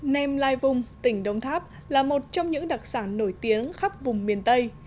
nem lai vung tỉnh đồng tháp là một trong những đặc sản nổi tiếng khắp vùng miền tây